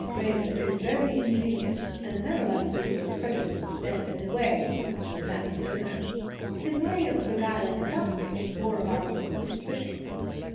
Reynard is very ingenious, and never lets his little prejudices stand in the way when he is after a dinner. His way of beguiling a duck is more remarkable than his fishing.